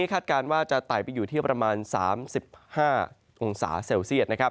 คาดการณ์ว่าจะหายไปอยู่ที่๓๕องศาเซลเซียต